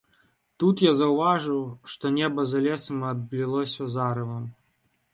Тут я заўважыў, што неба за лесам аблілося зарывам.